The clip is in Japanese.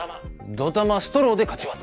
ドタマストローでかち割って。